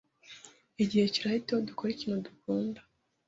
Igihe kirahita iyo dukora ikintu dukunda.